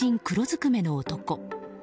黒ずくめの男。